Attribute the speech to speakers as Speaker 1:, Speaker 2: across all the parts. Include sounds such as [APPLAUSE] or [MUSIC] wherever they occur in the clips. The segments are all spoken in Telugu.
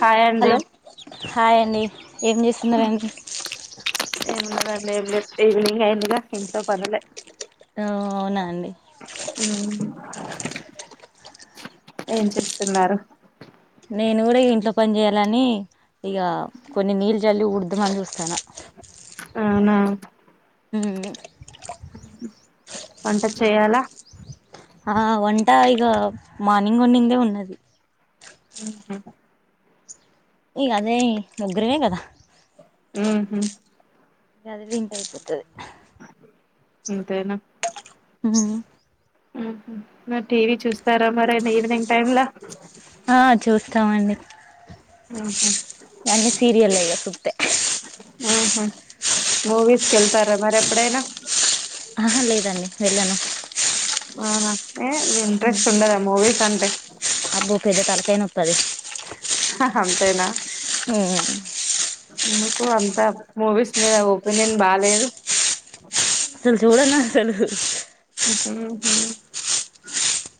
Speaker 1: హాయ్ అండి
Speaker 2: హలో హాయ్ అండి ఏం చేస్తున్నారండి
Speaker 1: ఏమున్నదండి ఏం లేదు ఈవినింగ్ అయిందిగా ఇంట్లో పనులే
Speaker 2: ఆ అవునా అండి
Speaker 1: ఏం చేస్తున్నారు
Speaker 2: నేను గూడా ఇంట్లో పని చేయాలని ఇగ కొన్ని నీళ్ళు జల్లి ఊడుదామని చూస్తున్న
Speaker 1: అవునా
Speaker 2: ఉమ్
Speaker 1: వంట చేయాలా
Speaker 2: ఆ వంట ఇగ మార్నింగ్ వండిందే ఉన్నది
Speaker 1: ఉమ్ హూ
Speaker 2: ఇగ అదే ముగ్గురమే గదా
Speaker 1: ఉమ్ హూ
Speaker 2: ఇగ అదే దింటే అయిపోతది
Speaker 1: అంతేనా
Speaker 2: ఉమ్
Speaker 1: ఉమ్ హూ మరి టీవీ చూస్తారా మరి ఈవినింగ్ టైమ్లా
Speaker 2: ఆ చూస్తామండి
Speaker 1: ఆహా
Speaker 2: అన్నీ సీరియల్ ఇక చూస్తే
Speaker 1: ఆహా మూవీస్ కెళ్తారా మరి ఎప్పుడైనా
Speaker 2: ఆహా లేదండి వెళ్ళను
Speaker 1: అవునా ఏ ఇంట్రెస్ట్ ఉండదా మూవీస్ అంటే
Speaker 2: అబ్బో పెద్ద తలకాయ నొప్పది
Speaker 1: ఆహా అంతేనా
Speaker 2: ఉమ్
Speaker 1: ఎందుకు అంతా మూవీస్ మీద ఒపీనియన్ బాలేేదు
Speaker 2: అసలు చూడనసలు
Speaker 1: ఉమ్ హూ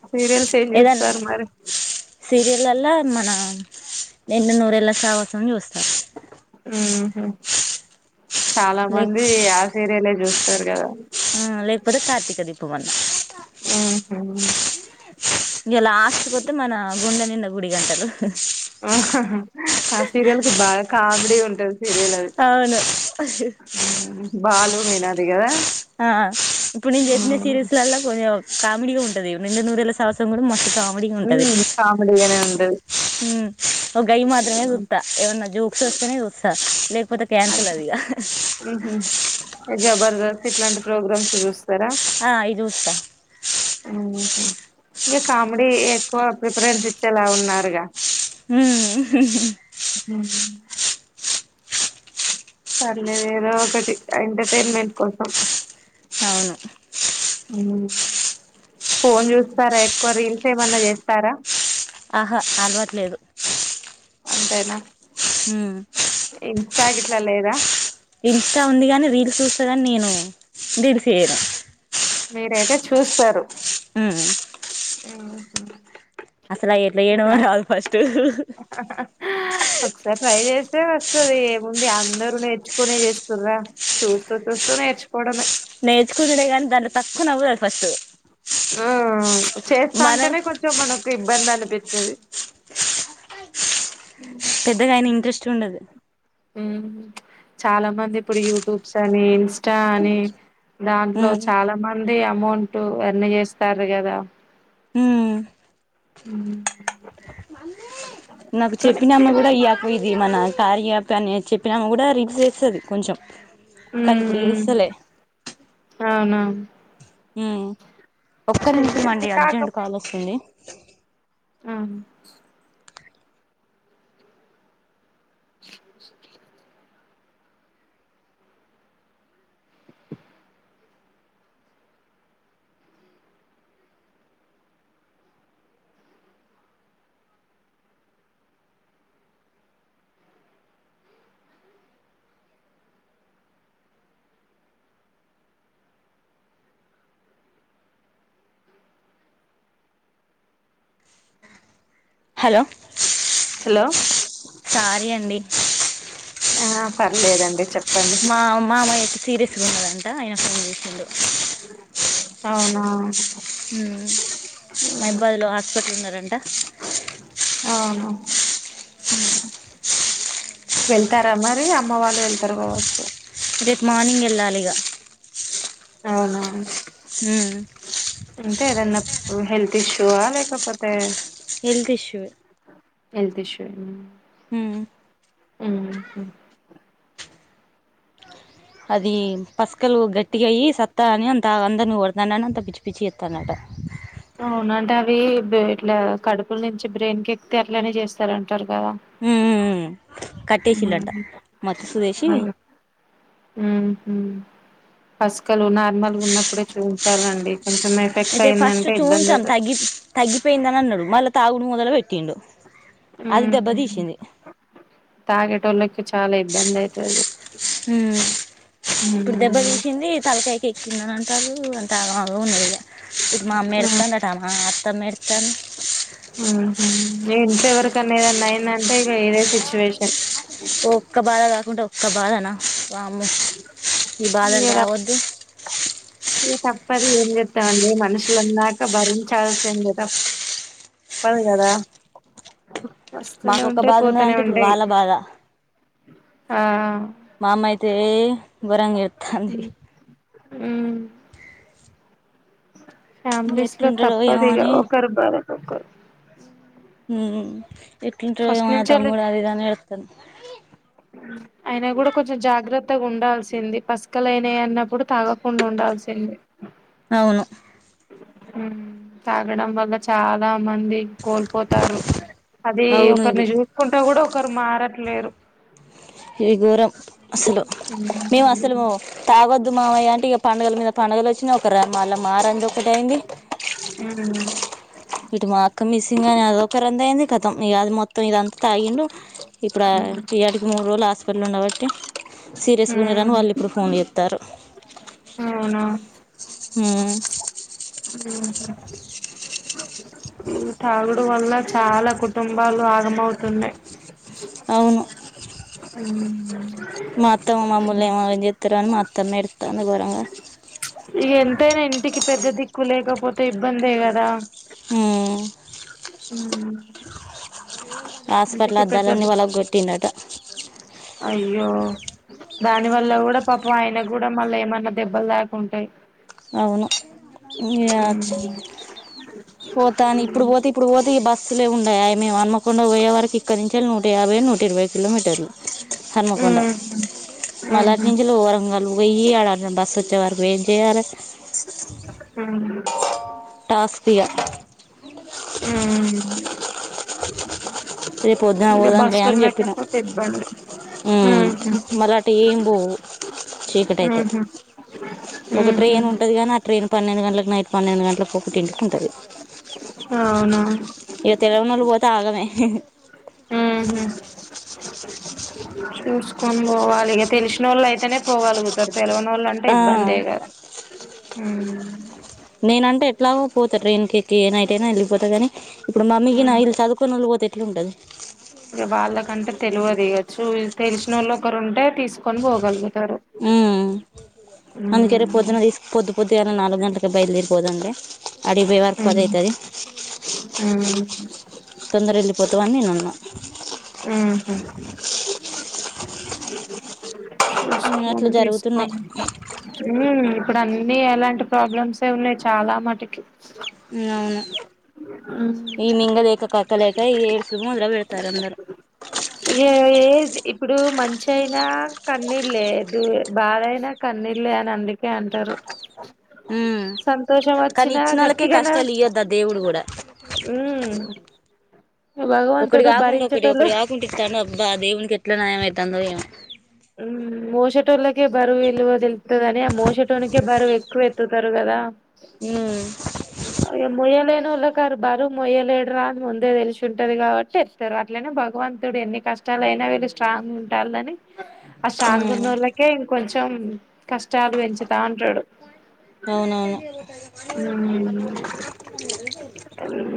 Speaker 2: ఏదన్నా సీరియల్ అల్లా మన నిండు నూరేళ్ళ సావాసం చూస్తా
Speaker 1: ఉమ్ హూ చాలా
Speaker 2: లేక
Speaker 1: మంది ఆ సీరియలే చూస్తారు గదా
Speaker 2: లేకపోతే కార్తీక దీపం అన్నా
Speaker 1: ఉమ్ హూ
Speaker 2: ఇగ లాస్ట్కు వస్తే మన గుండె నిండ గుడి గంటలు
Speaker 1: ఆహా హా ఆ సీరియల్కి బాగా కామెడీ ఉంటది సీరియల్ అది
Speaker 2: అవును
Speaker 1: బాలు మీనాది గదా
Speaker 2: ఆ ఇప్పుడు నేను జెప్పిన సీరియల్స్ అల్లా కొంచెం కామెడీగా ఉంటది నిండు నూరేల సావాసం కూడా మస్త్ కామెడీ
Speaker 1: ఉమ్ [UNINTELLIGIBLE]
Speaker 2: ఉమ్ ఒ గైయ్యి మాత్రమే చూత్త ఏవన్నా జోక్స్ వస్తేనే వస్తా లేకపోతే క్యాన్సల్ అదిగా
Speaker 1: ఉహ్మ్ జబర్దస్త్ ఇట్లాంటి ప్రోగ్రామ్స్ చూస్
Speaker 2: ఆ అయి జుస్తా
Speaker 1: ఉహు ఇగ కామెడీ ఎక్కువ ప్రిఫరెన్స్ ఇచ్చేలా ఉన్నారుగా
Speaker 2: ఉ
Speaker 1: కేంటి పర్లేదు ఏదో ఒకటి ఎంటర్టైన్మెంట్ కోసం
Speaker 2: అవును
Speaker 1: ఫోన్ చూస్తారా ఎక్కువ రీల్స్ ఏమన్నా చేస్తారా
Speaker 2: ఆహా అలవాట్లేదు
Speaker 1: అంతేనా
Speaker 2: ఉమ్
Speaker 1: ఇన్స్టా గిట్ల లేదా
Speaker 2: ఇన్స్టా ఉంది గాని రీల్ చూస్తాగాని నేను రీల్స్ చెయ
Speaker 1: మీరైతే చూస్తారు
Speaker 2: ఉం
Speaker 1: ఉమ్ హు
Speaker 2: అసలు ఎట్లా చేయడమో రాదు ఫస్ట్
Speaker 1: ఒకసారి ట్రై చేస్తే వస్తది ఏముంది అందరు నేర్చుకొనే చేస్తురా చూస్తూ చూస్త నేర్చుకోడమె
Speaker 2: నేర్చుకునుడేగాని దాంట్ల తక్కువ నవ్వు రాదు ఫస్ట్
Speaker 1: ఆ చేస్తా
Speaker 2: మనం
Speaker 1: అంటేనే కొంచెం మనకు ఇబ్బంది అని పిత్తది
Speaker 2: పెద్దగా ఆయన ఇంట్రెస్ట్ ఉండదు
Speaker 1: ఉమ్ చాలా మంది ఇప్పుడు యూట్యూబ్స్ అని ఇంస్టా అని దాంట్లో
Speaker 2: ఉమ్
Speaker 1: చాలా మంది అమౌంట్ ఎర్న్ చేస్తార్రు కదా
Speaker 2: ఉమ్
Speaker 1: ఉమ్
Speaker 2: నాకు చెప్పినామ కూడా ఇక ఇది మన కార్య యాప్ అనే చెప్పినామ కూడా చేస్తది కొంచెం కానీ ఇప్పుడు
Speaker 1: ఉమ్
Speaker 2: చేస్తలే
Speaker 1: అవునా
Speaker 2: ఉమ్ ఒక్క
Speaker 1: చెయ్యండి
Speaker 2: నిమిషమండి అర్జెంట్ కాల్ వస్తుంది
Speaker 1: ఉమ్ స
Speaker 2: హలో
Speaker 1: హలో
Speaker 2: సారీ అండి
Speaker 1: ఆ పర్లేదండి చెప్ప
Speaker 2: మా మామయ్య కు అయితే సీరియస్గా ఉన్నదంట ఆయన ఫోన్ చేసిండు
Speaker 1: అవునా
Speaker 2: ఉమ్ మైబాద్లో హాస్పిట్ల ఉన్నారంట
Speaker 1: అవును
Speaker 2: హ
Speaker 1: వెళ్తారా మరి అమ్మ వాళ్ళు వెళ్తారు కావచ్చు
Speaker 2: రేపు మార్నింగ్ వెళ్ళాలి ఇగ
Speaker 1: అవునా
Speaker 2: ఉమ్
Speaker 1: అంటే ఏదన్నా హెల్త్ ఇష్యూవా లేకపోతే
Speaker 2: హెల్త్ ఇష్యూ వె
Speaker 1: ఎల్త్ ఇష్యూ ఏనా ఉహ్మ్
Speaker 2: అది పసుకలు గట్టిగా అయి సత్తా అని అంత అందరిని కొడతండని అంత పిచ్చి పిచ్చి చేత్తనంట
Speaker 1: అవునంట అవి ఇట్లా కడుపుల నుంచి బ్రెయిన్ కె ఎక్తే అట్లనే చేస్తారంటారు అ
Speaker 2: ఉమ్ కట్టేసిల్లంట మత్తు సుదేసి
Speaker 1: [UNINTELLIGIBLE] ఉహ్మ్ పసుకలు నార్మల్ ఉన్నప్పుడే చూయించాలండి కొంచెం ఎఫెక్ట్
Speaker 2: అయితే ఫస్ట్
Speaker 1: అయిందంటే ఇబ్బంది
Speaker 2: చూంచాం
Speaker 1: అయిత
Speaker 2: తగ్గి తగ్గిపోయిందని అన్నారు మళ్ళా తాగుడు మొదలు పెట్టిండు అది దెబ్బ
Speaker 1: ఉమ్
Speaker 2: తీసింది.
Speaker 1: తాగేటోళ్ళకి చాలా ఇబ్బంది అయితది
Speaker 2: హ్మ్మ్ ఇప్పుడు దెబ్బ తీసింది తలకాయ్. ఎక్కింద అంటారు అంత ఆలో ఉందిగ మా అమ్మ
Speaker 1: ఉహు
Speaker 2: ఎడుత్తందట మా తమెర్థన్
Speaker 1: ఇంట్లోెవరికనే ఏదన్నాయిందంటే ఇక ఏదే సిచ్యువేషన్
Speaker 2: ఒక్క బాధ కాకుంటే ఒక్క బాధనా వామ్మో. బాధలు
Speaker 1: ఇగ తప్
Speaker 2: రావొద్దు
Speaker 1: తప్పదు ఏం చెతామండి మనుషులన్నాక భరించాల్సింది కద పదు కదా వస్తూనే
Speaker 2: మాకొక్క
Speaker 1: ఉంటాయి
Speaker 2: బాధ
Speaker 1: పోతూనే
Speaker 2: ఉన్నదంటే ఇప్పుడు
Speaker 1: ఉంటాయి
Speaker 2: వాళ్ళ బాధ
Speaker 1: ఆ
Speaker 2: మామ్మయితే ఘోరంగా ఏడ్తంది.
Speaker 1: అ ఫ్యామిలీస్ లో
Speaker 2: ఎట్లుంటాడో ఏమో
Speaker 1: తప్పదు ఇ
Speaker 2: అని
Speaker 1: ఒకరు బార ఒకరు
Speaker 2: ఉమ్ ఎట్లుంటడో
Speaker 1: ఫస్ట్
Speaker 2: యేమో మా తమ్ముడ
Speaker 1: నుంచి
Speaker 2: దిదని ఏడుత్తంది.
Speaker 1: అయినా కూడా కొంచెం జాగ్రత్తగా ఉండాల్సింది పసుకలనా అన్నప్పుడు తాగకుండా ఉండాల్సింద చెడి
Speaker 2: అవును
Speaker 1: తాగడం వల్ల చాలా మంది కోల్పోతారు అది
Speaker 2: అవును
Speaker 1: ఒకరిని
Speaker 2: ఇది
Speaker 1: చూసుకుంటా కూడా ఒకరు మారట్లేరు
Speaker 2: ఏ ఘోరం అసలు మేము అసలు
Speaker 1: ఉమ్
Speaker 2: బోము. తాగొద్దు మామయ అంటే ఇగ పండగల మీద పండగలొచ్చినా ఒక రమ్ మళ్ళ మారందోకటయింది.
Speaker 1: ఆ
Speaker 2: ఇటు మాక్క మిస్సింగ్ అని అదొక రందయింది. కదం ఇ అది మొత్తం ఇదంతా తాగిండు ఇప్పుడ ఈయాడికి మూడు రోజులు హాస్పిటల్ ఉండబట్టి. సీరియస్ గా ఉండరని వాల్లిప్పుడు ఫోన్ చేత్తారు.
Speaker 1: అవునా
Speaker 2: ఉమ్
Speaker 1: ఉ ఈ తాగుడు వల్ల చాలా కుటుంబాలు ఆగమవుతున్నాయి
Speaker 2: అవును
Speaker 1: ఉ
Speaker 2: మత్తా, మా మామోళ్ళు ఏమాగం చేత్తారో అని మత్తమ్మ ఏడుత్తంది.
Speaker 1: ఇక ఎంతైనా ఇంటికి పెద్ద దిక్కు లేకపోతే ఇబ్బందే కదా
Speaker 2: హ్మ్మ్
Speaker 1: ఉ
Speaker 2: హాస్పటల్ అద్దాలన్నీ పగల గొట్టిండంటా.
Speaker 1: అయ్యో దాని వల్ల కూడా పాపం ఆయన కూడా మళ్ళా ఏమన్నా దెబ్బలు దాకుంటాయి
Speaker 2: అవును ఇయాచ్ పోతాని ఇప్పుడు బోతే ఇప్పుడు బోతే ఇగ బస్సులే ఉం మేమనమకుండా పోయే వరకిక్కడి నుంచి నూట యాభై, నూట ఇరవై కిలోమీటర్లు. హర్మకొండ
Speaker 1: ఉహు
Speaker 2: మలాటి
Speaker 1: ఉహు
Speaker 2: నుంచిలో ఓరంగలు పొయ్యి ఆడా బస్ వచ్చే వరకు వెయిట్ చెయ్యాలే.
Speaker 1: హ
Speaker 2: టాస్కిగా
Speaker 1: ఉమ్
Speaker 2: రేపొద్దునా
Speaker 1: ఇక
Speaker 2: పోదాం లే
Speaker 1: బస్సు
Speaker 2: అని చెప్పినా.
Speaker 1: లేకపోతే ఇబ్బంది
Speaker 2: ఉమ్
Speaker 1: ఉహు
Speaker 2: మరటు ఏం పోవు చీకటైతే
Speaker 1: ఉహు
Speaker 2: ఒక
Speaker 1: ఉహు
Speaker 2: ట్రైన్ ఉంటది గానీ ఆ ట్రైన్ పన్నెండు గంటలకు, నైట్ పన్నెండు గంటలకు. తెలుసుకుంటరు
Speaker 1: అవునా
Speaker 2: ఇగ తెలవనోళ్లు బోతే ఆగమే.
Speaker 1: ఊహు చూసుకొని పోవాలిక తెలిసిన వాళ్ళు అయితేనే పోగలుగుతారు తెలివన వాళ్ళంటే
Speaker 2: ఆ
Speaker 1: ఇబ్బంది కదా
Speaker 2: నేనంటే ఎట్లాగో పోతా ట్రైన్కి ఎక్కి ఏ నైట్ అయినా వెళ్ళిపోతా గని ఇప్పుడు మమ్మీ గినా ఇల్ చదువుకున్నోళ్ళు పోతే ఎట్లుంటది
Speaker 1: ఇగ వాళ్ళకంటే తెలువదిగ చు తెలిసినోళ్ళు ఒకరు ఉంటే తీసుకొని పోగలను
Speaker 2: ఉమ్ అందుకేరే
Speaker 1: హ్మ్
Speaker 2: పొద్దున తీసు పొద్దు పొద్దుగాల నాలుగు గంటలకే బయలుదేరి పొదాంలే ఆడికి బొయ్యే వరక్
Speaker 1: హ్మ్
Speaker 2: పదైతది
Speaker 1: హ్మ్
Speaker 2: తొందరెళ్ళిపోతావని నేనున్నా
Speaker 1: ఊహు
Speaker 2: ఇంగ
Speaker 1: చూసుకోం
Speaker 2: అట్లా
Speaker 1: తీసుకోం
Speaker 2: జరుగుతున్నాయి
Speaker 1: ఇక్కడ అన్నీ అలాంటి ప్రాబ్లమ్సే ఉన్నాయి చాలా మటుకి
Speaker 2: అవును ఈవినింగదేక్ కక్కలేక ఏడిసి ముదర వెడతారందరు
Speaker 1: ఏ ఏడ్ ఇప్పుడు మంచైనా కన్నీళ్లే డు బాధైనా కన్నీ విల్లే అని అందుకే అంటారు
Speaker 2: ఉమ్
Speaker 1: సంతోషం
Speaker 2: కానీ
Speaker 1: వచ్చినా
Speaker 2: ఇచ్చినోళ్ళకే
Speaker 1: గట్టిగానా
Speaker 2: కష్టాలు ఇయ్యొద్దు ఆ దేవుడు కూడా
Speaker 1: ఉమ్
Speaker 2: ఒకటి కాకుండా ఒకటి ఒకటి కాకుండా ఇస్తాను అబ్బా దేవునికి ఎట్లా న్యాయమైతాందో ఏమో
Speaker 1: హ్మ్. మోసేటోళ్ళకే బరువు ఇల్లు వదిలిత్తదని ఆ మోషెటోనికే బరువు ఎక్కువ ఎత్తుతారు కదా ఇగ మొయ్యలేరు లకారు బరు మొయ్యలేడు రా అని ముందే తెలిషుంటది కాబట్టి ఇస్తారు అట్లనే భగవంతుడు ఎన్ని క ష్టాలైనా వీళ్ళు స్ట్రాంగ్ ఉంటాల్లని ఆ సాంగు
Speaker 2: ఉమ్
Speaker 1: ఉనోళ్ళకే ఇంకొంచెం కష్టాలు పెంచుతా ఉంటాడు
Speaker 2: అవునవును
Speaker 1: మ్మ్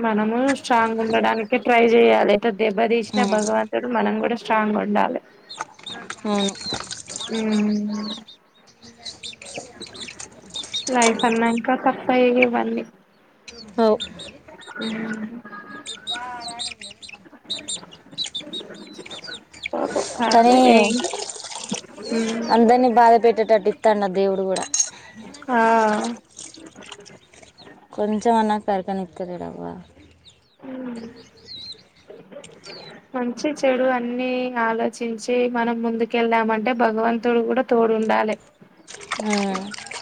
Speaker 1: మనము స్ట్రాంగ్ ఉండడానికి ట్రై చెయాలి దెబ్బతీసిన
Speaker 2: అవును
Speaker 1: భగవంతుడు మనం గుడ స్ట్రాంగ్ ఉండాలి మ్మ్
Speaker 2: ఉండని
Speaker 1: లైఫ్ అన్నాంకా తప్పయి ఇవన్నీ మ్మ్
Speaker 2: గుడ్వార అనే చేసినం
Speaker 1: పాపం
Speaker 2: కానీ
Speaker 1: పర్లే ఏం ఉమ్
Speaker 2: అందరినీ బాధ పెట్టేటట్టు ఇస్తాన్న అ దేవుడు గుడా
Speaker 1: ఆ
Speaker 2: వాడికన్న ఇత్తతేదవ్వ
Speaker 1: ఆ మంచి చెడు అన్నీ ఆలోచించి మనం ముందుకెళ్ళామంటే భగవంతుడు గుడా తో ఉండాలే
Speaker 2: మ్మ్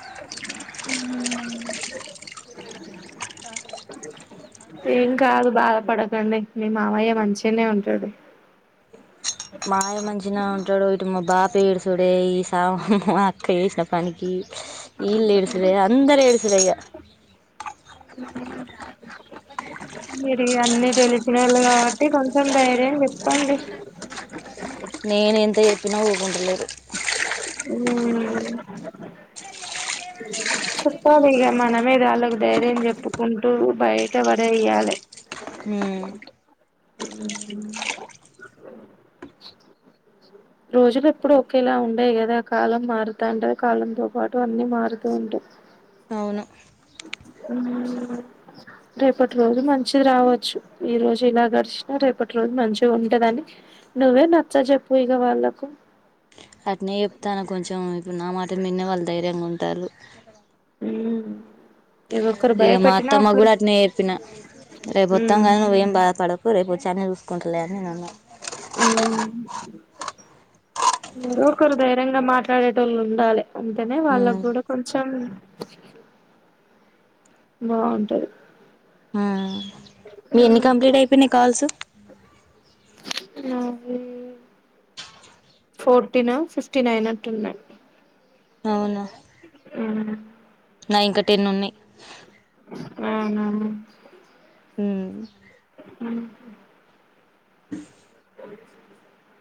Speaker 1: ఏం కాదు బాధ పడకండి మీ మావయ్య మంచిగనే ఉంటాడు
Speaker 2: మాయ మంచినే ఉంటడు ఇటు మా బాప్ ఏడ్సుడే ఈ సా మా అక్క చేసిన పనికి ఈళ్ళేడుసుడే అందరేడుసుడే ఇగ
Speaker 1: మీరు ఇగ అన్నీ తెలినిసోళ్ళు కాబట్టి కొంచెం ధైర్యం చెప్పండి
Speaker 2: నేనెంత చెప్పినా ఊకుంటలేరు
Speaker 1: చెప్పాలి ఇగ మనమేద వాళ్ళకి ధైర్యం చెప్పుకుంటూ బయట బడేయ్యాలె
Speaker 2: ఉమ్
Speaker 1: రోజులు ఎప్పుడు ఒకేలా ఉండయి గదా కాలం మారుతాంట కాలంతో పాటు అన్నీ మారుతూ ఉంటాయి
Speaker 2: త
Speaker 1: మ్మ్ రేపటి రోజు మంచిది రావచ్చు ఈ రోజు ఇలా గడిచినా రేపటి రోజు రోజు మంచిగా ఉంటదని నువ్వే నచ్చ జెప్పు ఇగ వాళ్ళకు
Speaker 2: అట్నే చెప్తాన కొంచెం ఇప్పుడు నా మాట ఇని ఇంగ వాళ్ళు ధైర్యంగా ఉంటారు
Speaker 1: మ్మ్
Speaker 2: ఇగ మా అత్తమ్మ కూడా అట్లనే చెప్పిన రేపు వొత్తం కదా నువ్వేం బాధపడకు రేపు వచ్చకా అన్ని చూసుకుంటలే అని అన్నాను
Speaker 1: ఒకరు ధైర్యంగా మాట్లాడే వాళ్ళు ఉండాలి ఉంటేనే వాళ్ళకి కూడా కొంచెం బాగుంటది
Speaker 2: మీవి ఎన్ని కంప్లీట్ అయిపోయినాయి కాల్స్
Speaker 1: నావి ఫోర్టీనో ఫిఫ్టీనో అయినట్టు ఉన్నాయి
Speaker 2: అవునా నా ఇంకా టెన్ ఉన్నాయి
Speaker 1: అవునా
Speaker 2: మ్మ్
Speaker 1: హ్